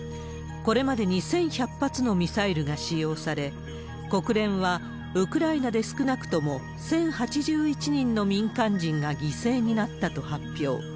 これまでに１１００発のミサイルが使用され、国連はウクライナで少なくとも１０８１人の民間人が犠牲になったと発表。